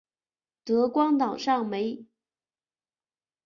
德光岛上设有训练新兵的基本军事训练中心。